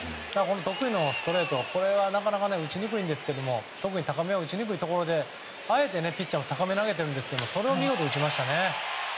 得意のストレート、これはなかなか打ちにくいんですけど特に高めは打ちにくいところであえてピッチャーも高めに投げているんですがそれを見事に打ちましたね。